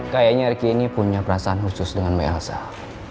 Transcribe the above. kayaknya riki ini punya perasaan khusus dengan bayasanya